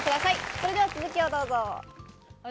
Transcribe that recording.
それでは続きをどうぞ。